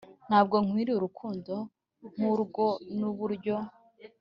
ntabwo nkwiriye urukundo nk'urwo nuburyo